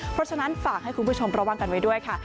เพราะฉะนั้นฝากให้คุณผู้ชมระวังกันไว้ด้วยค่ะ